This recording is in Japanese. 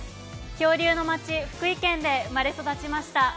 恐竜の町、福井県で生まれ育ちました。